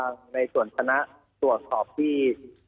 ในส่วนคณะตรวจสอบที่